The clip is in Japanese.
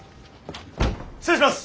失礼します！